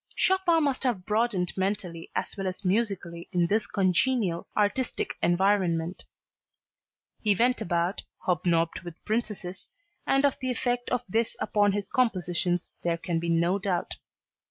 Chopin must have broadened mentally as well as musically in this congenial, artistic environment. He went about, hobnobbed with princesses, and of the effect of this upon his compositions there can be no doubt.